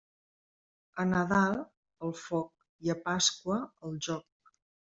A Nadal, al foc, i a Pasqua, al joc.